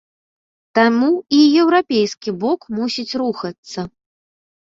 Таму і еўрапейскі бок мусіць рухацца.